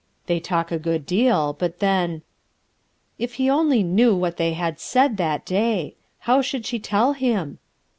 They talk a good deal, but then !—" If he only knew what they had said that day! How should she tell him?